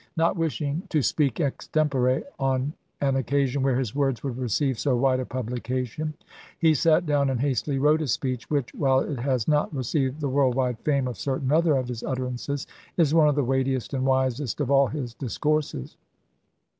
Not wishing to speak extempore on an occasion where his words would receive so wide a publication, he sat down and hastily wrote a speech which, while it has not received the world wide fame of certain other of his utterances, is one of the weightiest and wisest of all his discourses.